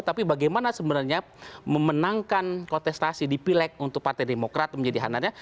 tapi bagaimana sebenarnya memenangkan kontestasi di pileg untuk partai demokrat menjadi handarnya